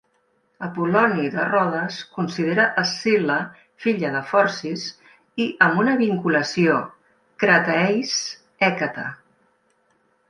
Apol·loni de Rodes considera Escil·la filla de Forcis i amb una vinculació Crataeis-Hècate.